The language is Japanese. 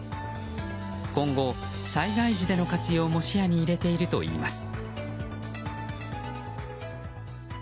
今後、災害時での活用も視野に入れているといいます。